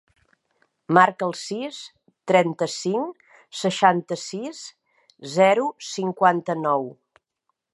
Marca el sis, trenta-cinc, seixanta-sis, zero, cinquanta-nou.